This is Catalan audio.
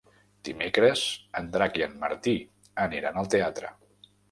Dimecres en Drac i en Martí aniran al teatre.